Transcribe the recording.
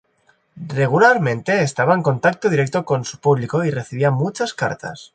Regularmente estaba en contacto directo con su público y recibía muchas cartas.